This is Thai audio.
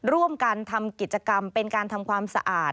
ร่วมกันทำกิจกรรมเป็นการทำความสะอาด